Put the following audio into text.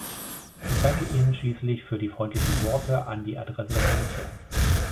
Ich danke Ihnen schließlich für die freundlichen Worte an die Adresse der Kommission.